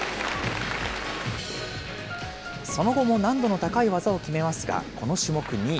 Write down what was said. その後も難度の高い技を決めますが、この種目２位。